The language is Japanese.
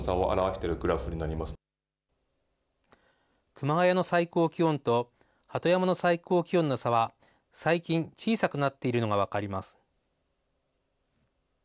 熊谷の最高気温と鳩山の最高気温の差は、最近小さくなっているのが分かります。